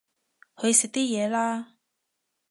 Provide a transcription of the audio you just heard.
去食啲嘢啦